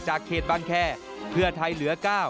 เขตบางแคร์เพื่อไทยเหลือ๙